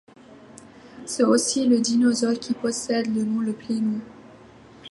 C'est aussi le dinosaure qui possède le nom le plus long.